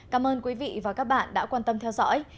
cảm ơn quý vị và các bạn đã quan tâm theo dõi